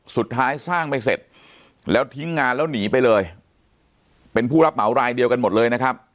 สร้างไม่เสร็จแล้วทิ้งงานแล้วหนีไปเลยเป็นผู้รับเหมารายเดียวกันหมดเลยนะครับ